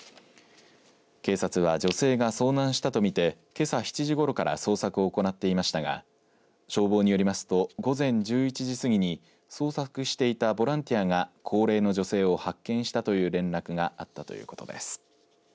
警察は女性が遭難したと見てけさ７時ごろから捜索を行っていましたが消防によりますと午前１１時過ぎに捜索していたボランティアが高齢の女性を発見したという連絡があったということです。